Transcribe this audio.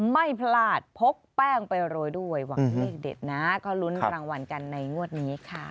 ไม่พลาดพกแป้งไปโรยด้วยหวังเลขเด็ดนะก็ลุ้นรางวัลกันในงวดนี้ค่ะ